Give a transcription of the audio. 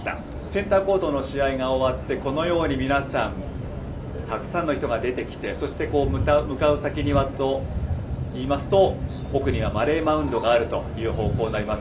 センターコートの試合が終わってこのように皆さんたくさんの人が出てきてそして向かう先はといいますと奥にはマレー・マウントがある方向になります。